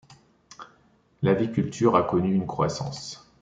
L'aviculture a connu une croissance.